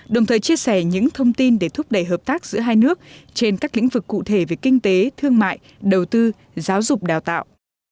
đồng thời chia sẻ những thông tin để thúc đẩy hợp tác giữa hai nước trên các lĩnh vực cụ thể về kinh tế thương mại đầu tư giáo dục đào tạo